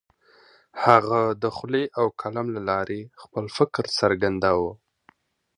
هغه د خولې او قلم له لارې خپل فکر څرګنداوه.